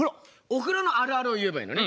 お風呂のあるあるを言えばいいのね。